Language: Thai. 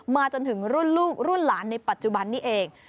จนถึงรุ่นลูกรุ่นหลานในปัจจุบันนี้เอง